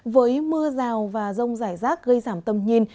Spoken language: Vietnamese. với mưa rào và rông rải rác gây giảm tầm nhìn